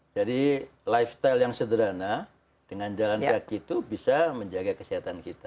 jadi lifestyle yang sederhana dengan jalan kaki itu bisa menjaga kesehatan kita